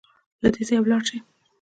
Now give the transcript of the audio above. له دې ځايه ولاړ سئ